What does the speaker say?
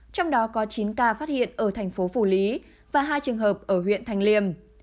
trong đó có chín ca phát hiện ở thành phố phủ lý và hai trường hợp ở huyện thành liêm